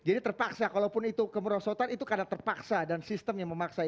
jadi terpaksa kalaupun itu kemerusotan itu karena terpaksa dan sistem yang memaksa itu